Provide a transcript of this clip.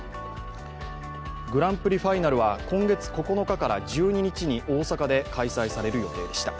グランプリファイナルは今月９日から１２日に大阪で開催される予定でした。